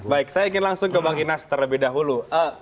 baik saya ingin langsung ke bang inas terlebih dahulu